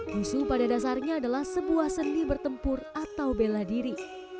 wushu pada dasarnya adalah sebuah seni bertempur atau bela diri